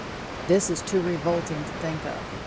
This is too revolting to think of.